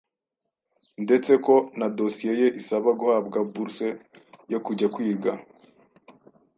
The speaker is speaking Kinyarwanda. ndetse ko na dosiye ye isaba guhabwa 'bourse' yo kujya kwiga